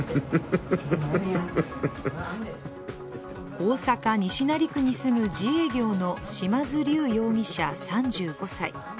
大阪・西成区に住む自営業の嶋津龍容疑者、３５歳。